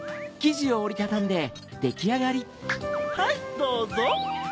はいどうぞ。